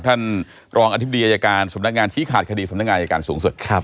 ท่านรองอธิบดีอายการสำนักงานชี้ขาดคดีสำนักงานอายการสูงสุด